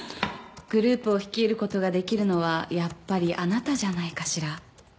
グループを率いることができるのはやっぱりあなたじゃないかしら。